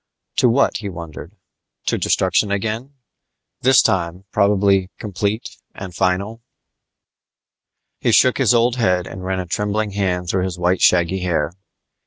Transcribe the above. To what, he wondered? To destruction again this time, probably complete and final? He shook his old head and ran a trembling hand through his white shaggy hair.